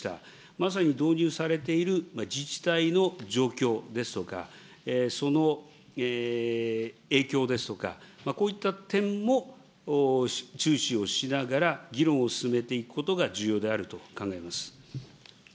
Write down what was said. まさに導入されている自治体の状況ですとか、その影響ですとか、こういった点も注視をしながら議論を進めていくことが重要であると考えます。